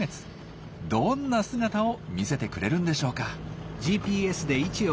どんな姿を見せてくれるんでしょうか。